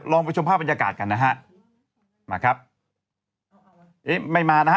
ไปชมภาพบรรยากาศกันนะฮะมาครับเอ๊ะไม่มานะฮะ